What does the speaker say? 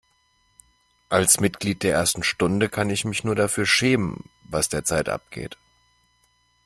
Als Mitglied der ersten Stunde kann ich mich nur dafür schämen, was derzeit abgeht.